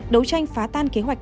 đấu tranh phá tan kế hoạch